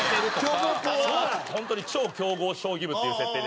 本当に超強豪将棋部っていう設定で。